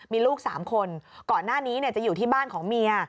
มีลูก๓คนก่อนหน้านี้จะอยู่ที่บ้านของเมีย